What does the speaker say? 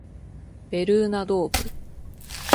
ベルーナドーム